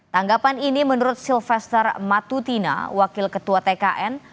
tanggapan ini menurut silvester matutina wakil ketua tkn